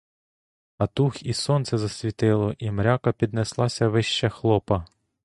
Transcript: А туг і сонце засвітило, і мряка піднеслася вище хлопа.